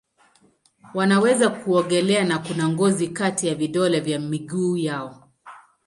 Wanaweza kuogelea na kuna ngozi kati ya vidole vya miguu yao.